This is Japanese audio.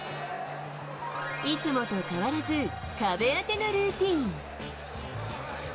いつもと変わらず、壁当てのルーティン。